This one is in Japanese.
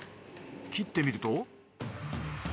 切ってみると。